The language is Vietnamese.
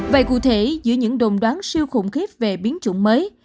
vậy cụ thể giữa những đồn đoán siêu khủng khiếp về biến chủng mới